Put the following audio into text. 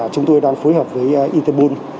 chúng tôi đang phối hợp với interpol